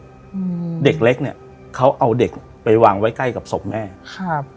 อืมเด็กเล็กเนี้ยเขาเอาเด็กไปวางไว้ใกล้กับศพแม่ครับ